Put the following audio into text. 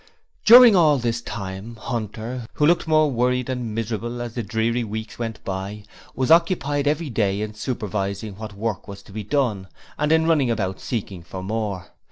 During all this time Hunter, who looked more worried and miserable as the dreary weeks went by, was occupied every day in supervising what work was being done and in running about seeking for more.